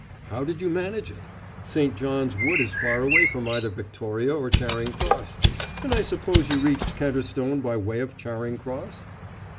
"How did you manage it? St. John's Wood is far away from either Victoria or Charing Cross, and I suppose you reached Kenterstone by way of Charing Cross?"